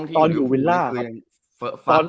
ตอนอยู่วิลล่าครับ